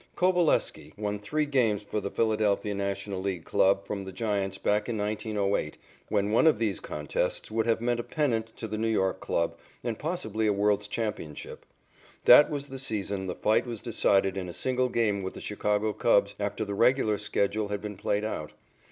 Coveleski won three games for the Philadelphia National League club from the Giants back in 1908, when one of these contests would have meant a pennant to the New York club and possibly a world's championship. That was the season the fight was decided in a single game with the Chicago Cubs after the regular schedule had been played out.